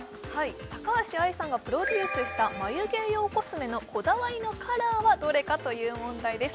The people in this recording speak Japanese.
高橋愛さんがプロデュースした眉毛用コスメのこだわりのカラーはどれかという問題です